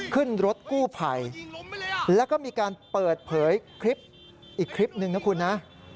ขึ้นรถกู้ภัยแล้วก็มีการเปิดเผยคลิปอีกคลิปหนึ่งนะคุณนะ